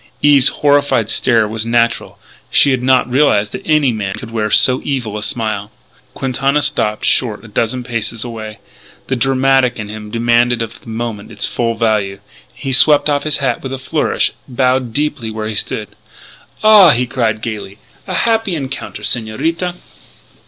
Eve's horrified stare was natural; she had not realised that any man could wear so evil a smile. Quintana stopped short a dozen paces away. The dramatic in him demanded of the moment its full value. He swept off his hat with a flourish, bowed deeply where he stood. "Ah!" he cried gaily, "the happy encounter, Señorita.